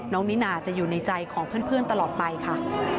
นินาจะอยู่ในใจของเพื่อนตลอดไปค่ะ